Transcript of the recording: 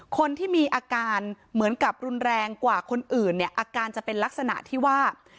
คนที่มีอาการเหมือนกับรุนแรงกว่าคนอื่นเนี่ยอาการจะเป็นลักษณะที่ว่า